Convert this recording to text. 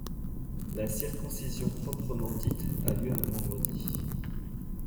La circoncision proprement dite a lieu un vendredi.